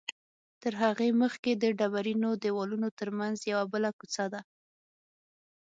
تر هغې مخکې د ډبرینو دیوالونو تر منځ یوه بله کوڅه ده.